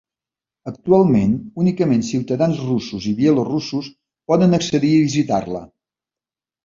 Actualment únicament ciutadans russos i bielorussos poden accedir a visitar-la.